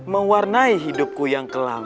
memwarnai hidupku yang kelam